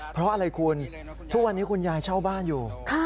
เพราะอะไรคุณทุกวันนี้คุณยายเช่าบ้านอยู่